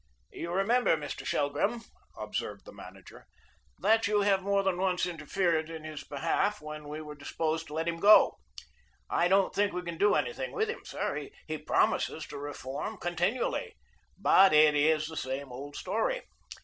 "You remember, Mr. Shelgrim," observed the manager, "that you have more than once interfered in his behalf, when we were disposed to let him go. I don't think we can do anything with him, sir. He promises to reform continually, but it is the same old story.